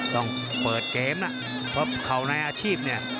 ต้องเปิดเกมละเขาในอาชีพเนี่ย